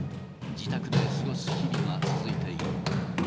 自宅で過ごす日々が続いている。